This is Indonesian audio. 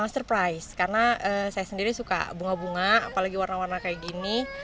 surprise karena saya sendiri suka bunga bunga apalagi warna warna kayak gini